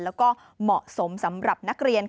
แล้วก็เหมาะสมสำหรับนักเรียน